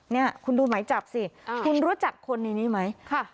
เนี่ยคุณดูไหมจับสิอ่าคุณรู้จักคนในนี้ไหมค่ะ